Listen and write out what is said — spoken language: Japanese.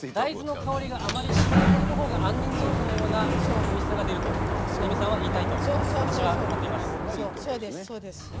大豆の香りがあまりしない豆腐のほうが杏仁豆腐のようなおいしさが出るとレミさんは言いたいと私は思っています。